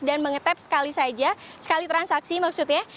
dan mengetep sekali saja sekali transaksi maksudnya